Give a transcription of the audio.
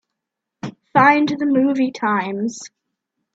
Find the movie times.